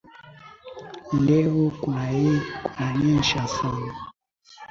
Leo kunanyesha sana